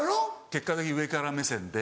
結果的に上から目線で。